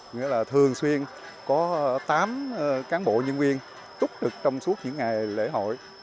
nghĩa là thường xuyên có tám cán bộ nhân viên túc trực trong suốt những ngày lễ hội